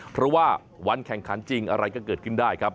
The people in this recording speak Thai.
เพราะว่าวันแข่งขันจริงอะไรก็เกิดขึ้นได้ครับ